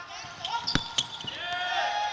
สวัสดีครับ